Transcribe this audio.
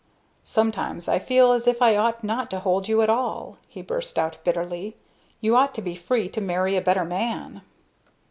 "Sometimes I feel as if I ought not to hold you at all!" he burst out, bitterly. "You ought to be free to marry a better man."